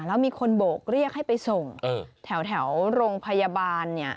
แล้วมีคนโบกเรียกให้ไปส่งแถวโรงพยาบาลเนี่ย